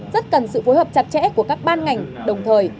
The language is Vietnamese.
rất cần sự phối hợp chặt chẽ của các ban ngành đồng thời